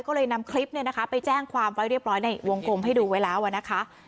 ก็เลยนำคลิปเนี่ยนะคะไปแจ้งความไว้เรียบร้อยในวงกลมให้ดูไว้แล้วนะคะ